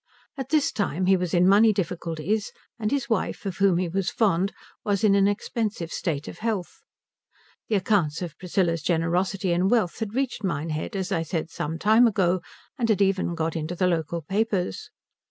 At this time he was in money difficulties and his wife, of whom he was fond, was in an expensive state of health. The accounts of Priscilla's generosity and wealth had reached Minehead as I said some time ago, and had got even into the local papers.